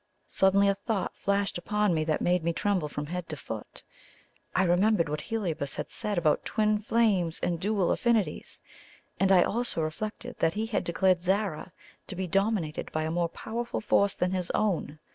Suddenly a thought flashed upon me that made me tremble from head to foot. I remembered what Heliobas had said about twin flames and dual affinities; and I also reflected that he had declared Zara to be dominated by a more powerful force than his own.